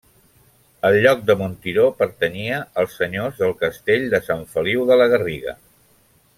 El lloc de Montiró pertanyia als senyors del castell de Sant Feliu de la Garriga.